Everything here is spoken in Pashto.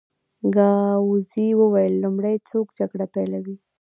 ګاووزي وویل: لومړی څوک جګړه پېلوي؟